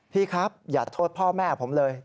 พี่ครับอย่าโทษพ่อแม่ผมเลย